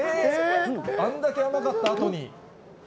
あんだけ甘かったあとに。